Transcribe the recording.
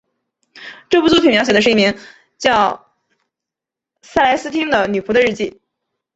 这部作品描写的是一名名叫塞莱丝汀的女仆的日记。